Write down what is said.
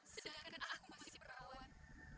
sedangkan aku masih perawan